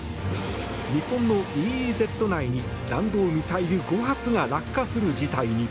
日本のＥＥＺ内に弾道ミサイル５発が落下する事態に。